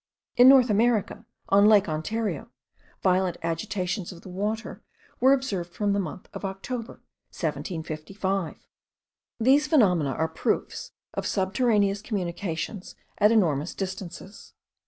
In North America, on Lake Ontario, violent agitations of the water were observed from the month of October 1755. These phenomena are proofs of subterraneous communications at enormous distances.